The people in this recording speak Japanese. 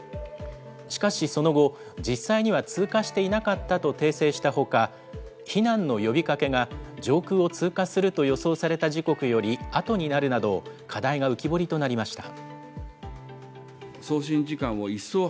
しかしその後、実際には通過していなかったと訂正したほか、避難の呼びかけが、上空を通過すると予想された時刻より後になるなど、課題が浮き彫りとなりました。